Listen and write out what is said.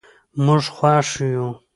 موږ خوښ یو.